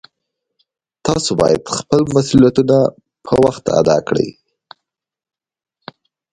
تاسې باید خپل مسؤلیتونه په وخت ادا کړئ